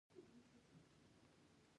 ایا زما ماشوم ته واکسین کوئ؟